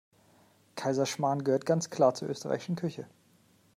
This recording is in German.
Kaiserschmarrn gehört ganz klar zur österreichischen Küche.